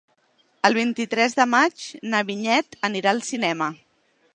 El vint-i-tres de maig na Vinyet anirà al cinema.